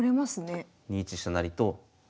２一飛車成と。